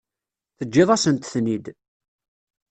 Teǧǧiḍ-asent-ten-id.